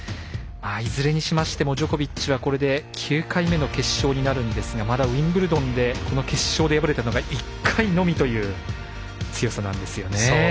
いずれにしましてもジョコビッチはこれで９回目の決勝になるんですがまだウィンブルドンでこの決勝で敗れたのが１回のみという強さなんですよね。